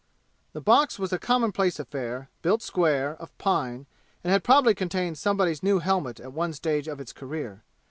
The box was a commonplace affair, built square, of pine, and had probably contained somebody's new helmet at one stage of its career.